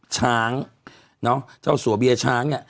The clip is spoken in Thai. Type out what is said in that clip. ช้างเจ้าสัวเบียช้าง